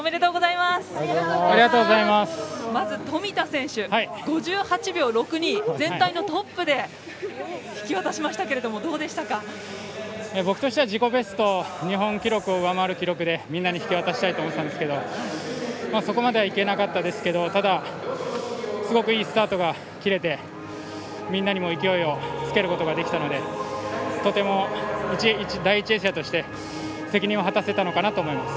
まず富田選手、５８秒６２全体のトップで引き渡しましたけれども僕としては自己記録日本記録を上回るペースでみんなに引き渡したいと思ってたんですけどそこまではいけなかったですけどただ、すごくいいスタートが切れてみんなにも勢いをつけることができたのでとても第１泳者として責任を果たせたのかなと思います。